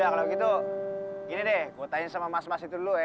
ya kalau gitu gini deh gue tanyain sama mas mas itu dulu ya